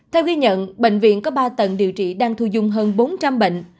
theo ghi nhận bệnh viện có ba tầng điều trị đang thu dung hơn bốn trăm linh bệnh